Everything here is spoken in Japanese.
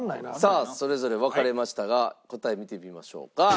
さあそれぞれ分かれましたが答え見てみましょうか。